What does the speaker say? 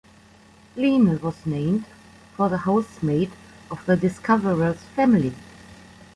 "Lina" was named for the housemaid of the discoverer's family.